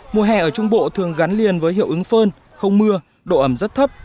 mùa hè ở trung bộ thường gắn liền với hiệu ứng phơn không mưa độ ẩm rất thấp